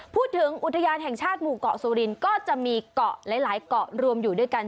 อุทยานแห่งชาติหมู่เกาะสุรินก็จะมีเกาะหลายเกาะรวมอยู่ด้วยกัน